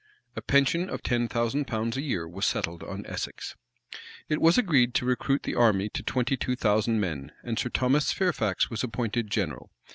A pension of ten thousand pounds a year was settled on Essex. {1645.} It was agreed to recruit the army to twenty two thousand men; and Sir Thomas Fairfax was appointed general.